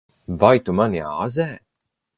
Vai tu mani āzē?